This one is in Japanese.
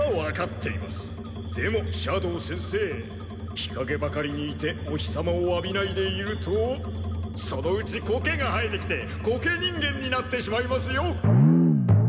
日陰ばかりにいてお日様を浴びないでいるとそのうちコケが生えてきてコケ人間になってしまいますよ！